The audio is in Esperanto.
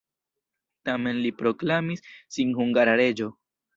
Tamen li proklamis sin hungara reĝo.